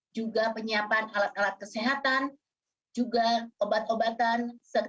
juga penyiapan alat alat kesehatan juga obat obatan